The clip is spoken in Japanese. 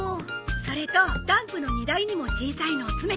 それとダンプの荷台にも小さいのを詰めて。